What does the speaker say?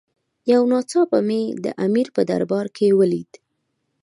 یو ناڅاپه مې د امیر په دربار کې ولید.